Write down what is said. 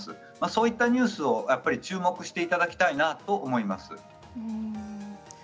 そういったニュースを注目していただきたいと思います。